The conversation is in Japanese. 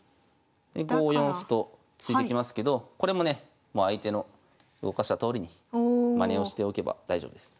で５四歩と突いてきますけどこれもね相手の動かしたとおりにまねをしておけば大丈夫です。